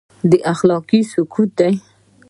دا اخلاقي سقوط دی.